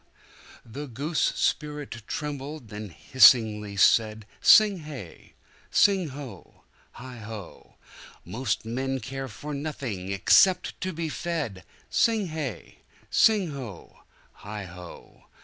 The goose spirit trembled, then hissingly said Sing hey! sing ho! heigho!"Most men care for nothing except to be fed!" Sing hey! sing ho! heigho!"